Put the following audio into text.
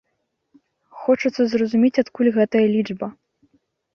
Хочацца зразумець, адкуль гэтая лічба.